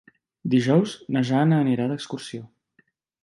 Dijous na Jana anirà d'excursió.